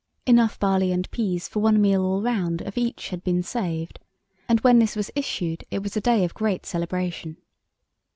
Enough barley and peas for one meal all round of each had been saved, and when this was issued it was a day of great celebration.